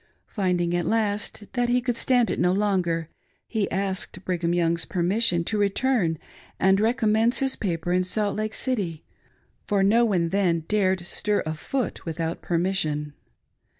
Finding at last that he could stand it no longer, he asked Brigham Young's permission to return and recommence his paper in Salt Lake City, for no one then dared stir a foot without permission.